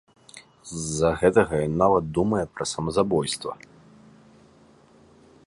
З-за гэтага ён нават думае пра самазабойства.